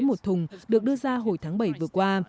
một thùng được đưa ra hồi tháng bảy vừa qua